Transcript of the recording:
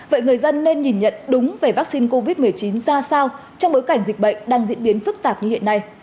vậy người dân nên nhìn nhận đúng về vaccine covid một mươi chín ra sao trong bối cảnh dịch bệnh đang diễn biến phức tạp như hiện nay